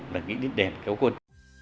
là nghĩ đến đèn cao quân